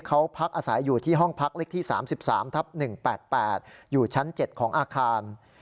๓ทัพ๑๘๘อยู่ชั้น๗ของอาคาร